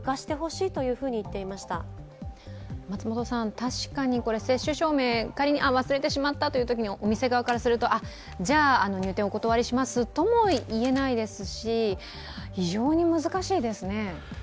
確かに接種証明、仮に忘れてしまったというときにお店側からすると、じゃあ、入店をお断りしますとも言えないですし非常に難しいですね。